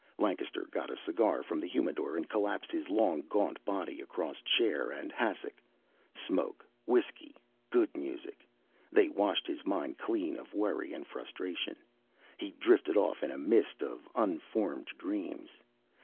Lancaster got a cigar from the humidor and collapsed his long gaunt body across chair and hassock. Smoke, whiskey, good music they washed his mind clean of worry and frustration; he drifted off in a mist of unformed dreams.